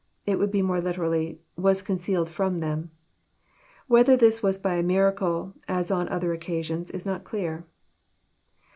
It would be more literally, "Was concealed from them." Whether this was by miracle, as on other occasions, is not clear.